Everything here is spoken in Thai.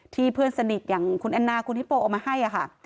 เพื่อนสนิทอย่างคุณแอนนาคุณฮิปโปเอามาให้ค่ะ